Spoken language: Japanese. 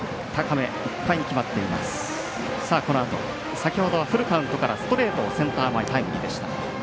先ほどはフルカウントからセンター前タイムリーでした。